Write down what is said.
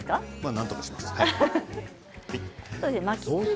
なんとかします。